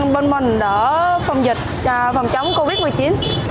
bên mình ở phòng dịch phòng chống covid một mươi chín